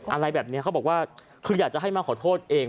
อะไรแบบนี้เขาบอกว่าคืออยากจะให้มาขอโทษเอง